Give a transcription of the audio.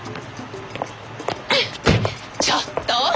ちょっと！